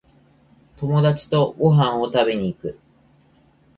友達とご飯を食べに行く